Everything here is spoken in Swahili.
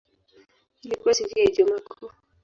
Ilikuwa siku ya Ijumaa Kuu.